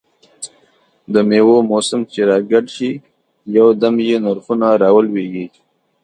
دمېوو موسم چې را ګډ شي، یو دم یې نرخونه را ولوېږي.